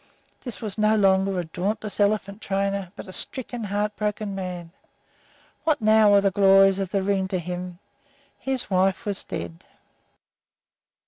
This was no longer a dauntless elephant trainer, but a stricken, heart broken man. What now were glories of the ring to him his wife was dead!